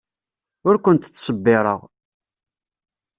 Ur kent-ttṣebbireɣ.